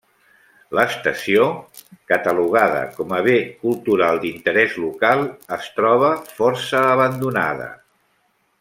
L'estació, catalogada com a Bé Cultural d'Interès Local, es troba força abandonada.